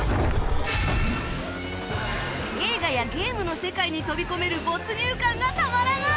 映画やゲームの世界に飛び込める没入感がたまらない！